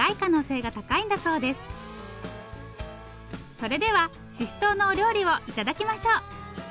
それではししとうのお料理を頂きましょう！